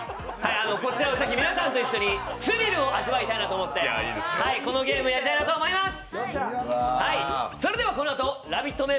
こちらを皆さんと一緒にスリルを味わいたいなと思ってこのゲームをやりたいなと思います。